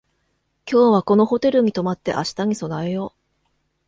今日はこのホテルに泊まって明日に備えよう